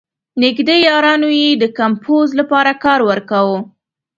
نېږدې یارانو یې د کمپوز لپاره کار ورکاوه.